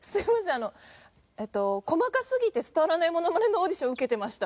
あの『細かすぎて伝わらないモノマネ』のオーディションを受けてました」